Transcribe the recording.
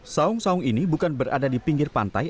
saung saung ini bukan berada di pinggir pantai